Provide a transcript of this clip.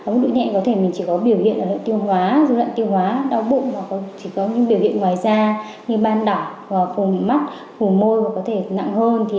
mức độ nhẹ có thể chỉ có biểu hiện tiêu hóa dư luận tiêu hóa đau bụng hoặc chỉ có những biểu hiện ngoài da như ban đỏ phùng mắt phùng môi hoặc có thể nặng hơn